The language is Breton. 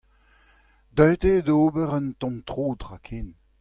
Deuet eo d'ober un tamm tro traken.